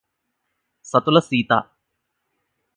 సతుల Sita